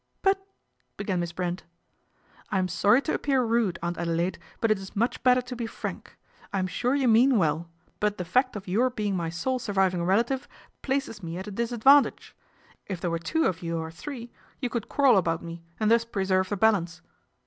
" But " began Miss Brent. " I am sorry to appear rude, Aunt Adelaide, but it is much better to be frank. I am sure you mean well ; but the fact of your being my sole surviving relative places me at a disadvantage. If there were two of you or three, you could quarrel about me, and thus preserve the balance.